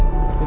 ya ampun bang